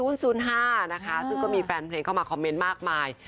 ซึ่งก็มีแฟนเพลงเข้ามาคอมเมนต์มากมาย